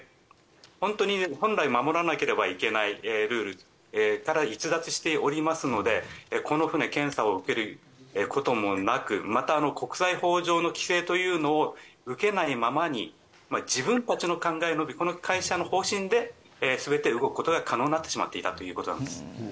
本来、守らなければいけないルールから逸脱しておりますのでこの船、検査を受けることもなくまた、国際法上の規制というのを受けないままに自分たちの考え及びこの会社の方針で全て動くことが可能になっていたということです。